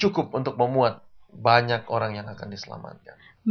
cukup untuk memuat banyak orang yang akan diselamatkan